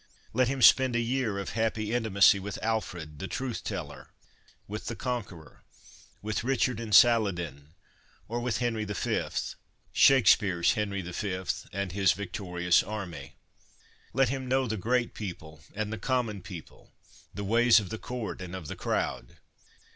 Let him spend a year of happy intimacy with Alfred, 'the truth teller,' with the Conqueror, with Richard and Saladin, or with Henry V. Shakespeare's Henry V. and his vie LESSONS AS INSTRUMENTS OF EDUCATION 281 torious army. Let him know the great people and the common people, the ways of the court and of the crowd.